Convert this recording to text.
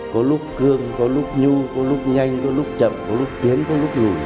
có lúc cương có lúc nhu có lúc nhanh có lúc chậm có lúc tiến có lúc nhủ